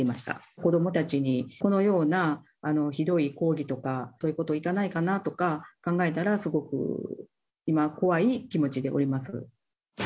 子どもたちにこのようなひどい抗議とか、こういうところいかないかなとか考えたら、すごく今、怖い気持ちでおります。